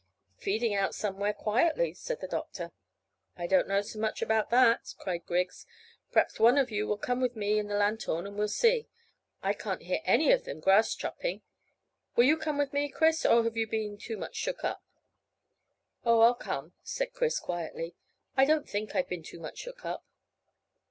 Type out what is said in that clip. "Feeding about somewhere, quietly," said the doctor. "I don't know so much about that," cried Griggs. "P'r'aps one of you will come with me and the lanthorn, and we'll see. I can't hear any of them grass chopping. Will you come with me, Chris, or have you been too much shook up?" "Oh, I'll come," said Chris quietly. "I don't think I've been too much `shook up.'"